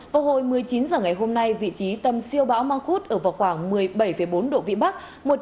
vào hồi một mươi chín h ngày hôm nay vị trí tâm siêu bão mangkut ở vào khoảng một mươi bảy bốn độ vị bắc